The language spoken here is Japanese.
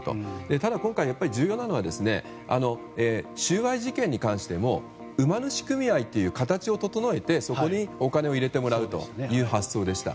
ただ、今回重要なのが収賄事件に関しても馬主組合という形を整えてそこにお金を入れてもらうという発想でした。